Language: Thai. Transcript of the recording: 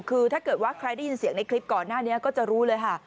คือถ้าเกิดว่าใครได้ยินเสียงในคลิปก่อนหน้านี้ก็จะรู้เลยค่ะ